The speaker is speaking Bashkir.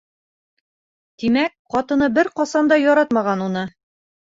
Тимәк, ҡатыны бер ҡасан да яратмаған уны.